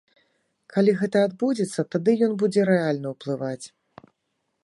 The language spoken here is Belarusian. Калі гэта адбудзецца, тады ён будзе рэальна ўплываць.